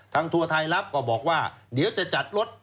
ทัวร์ไทยรับก็บอกว่าเดี๋ยวจะจัดรถ